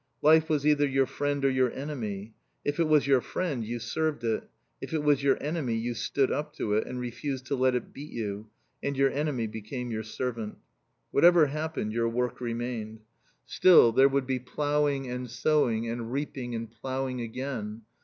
Life was either your friend or your enemy. If it was your friend you served it; if it was your enemy you stood up to it and refused to let it beat you, and your enemy became your servant. Whatever happened, your work remained. Still there would be ploughing and sowing, and reaping and ploughing again.